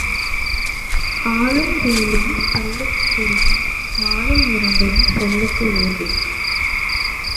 ஆலும் வேலும் பல்லுக்கு உறுதி நாலும் இரண்டும் சொல்லுக்கு உறுதி.